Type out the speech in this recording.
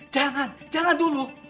jangan jangan dulu